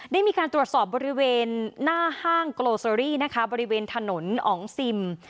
ได้มีการตรวจสอบบริเวณหน้าห้างโกโลเซอรี่นะคะบริเวณถนนอ๋องซิม